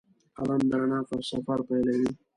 قلم د رڼا سفر پیلوي